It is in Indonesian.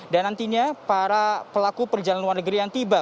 dan nantinya para pelaku perjalanan luar negeri yang tiba